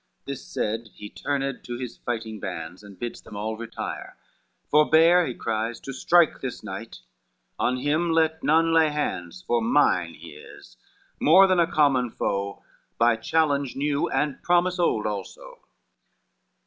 This said, he turned to his fighting bands, And bids them all retire. "Forbear," he cries, "To strike this knight, on him let none lay hands; For mine he is, more than a common foe, By challenge new and promise old also."